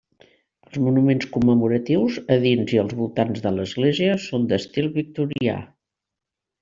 Els monuments commemoratius a dins i als voltants de l'església són d'estil victorià.